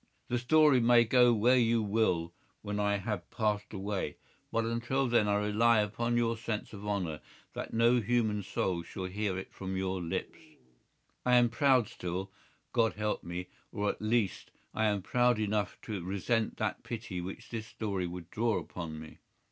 The story may go where you will when I have passed away, but until then I rely upon your sense of honour that no human soul shall hear it from your lips. I am proud still—God help me!—or, at least, I am proud enough to resent that pity which this story would draw upon me.